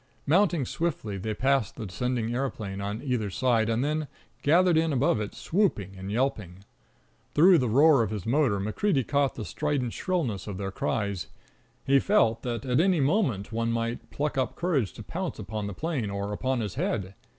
Mounting swiftly, they passed the descending aeroplane on either side, and then gathered in above it, swooping and yelping. Through the roar of his motor MacCreedy caught the strident shrillness of their cries. He felt that at any moment one might pluck up courage to pounce upon the plane or upon his head.